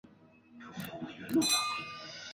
听说北港有个人